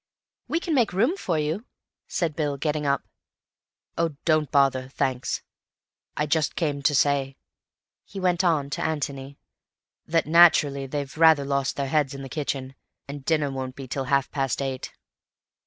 "We can make room for you," said Bill, getting up. "Oh, don't bother, thanks. I just came to say," he went on to Antony, "that naturally they've rather lost their heads in the kitchen, and dinner won't be till half past eight.